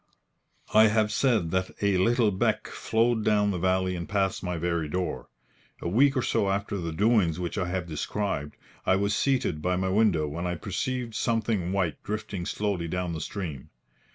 I have said that a little beck flowed down the valley and past my very door. A week or so after the doings which I have described, I was seated by my window when I perceived something white drifting slowly down the stream.